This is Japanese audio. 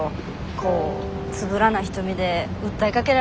こうつぶらな瞳で訴えかけられるとさ。